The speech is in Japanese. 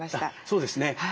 そうですね。